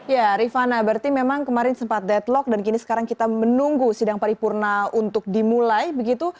ya rifana berarti memang kemarin sempat deadlock dan kini sekarang kita menunggu sidang paripurna untuk dimulai begitu